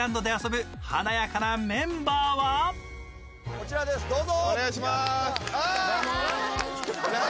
こちらです、どうぞ。